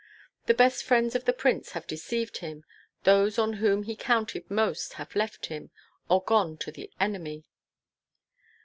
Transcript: The best friends of the prince have deceived him; those on whom he counted most have left him, or gone to the enemy."